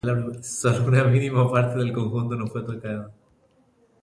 Sólo una mínima parte del conjunto no fue tocada.